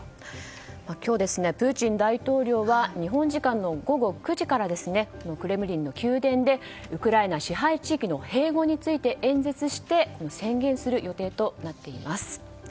今日、プーチン大統領は日本時間の午後９時からクレムリンの宮殿でウクライナ支配地域の併合について演説して宣言する予定となっています。